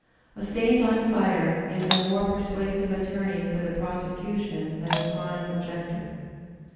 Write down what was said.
A saint on fire is a more persuasive attorney for the prosecution ^ than the chronic objector.